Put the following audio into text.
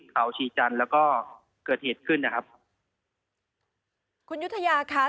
เขาชีจันทร์แล้วก็เกิดเหตุขึ้นนะครับคุณยุธยาค่ะ